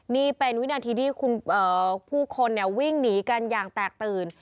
นี่เป็นวินาทีที่คุณเอ่อผู้คนเนี่ยวิ่งหนีกันอย่างแตกตื่น